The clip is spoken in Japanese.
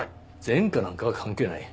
前科なんかは関係ない。